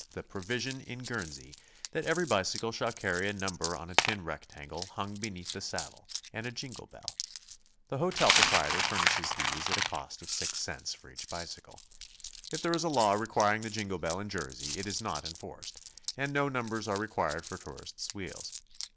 the provision in Guernsey that every bicycle shall carry a number on a tin rectangle hung beneath the saddle, and a jingle bell. The hotel pro prietor furnishes these at a cost of six cents for each bicycle. If there is a law requiring the jingle bell in Jersey it is not enforced, and no numbers are required for tourists' wheels.